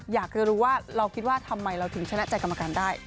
อยากจะรู้ว่าเราคิดว่าทำไมเราถึงชนะใจกรรมการได้